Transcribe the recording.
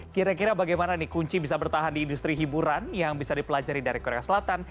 kira kira bagaimana nih kunci bisa bertahan di industri hiburan yang bisa dipelajari dari korea selatan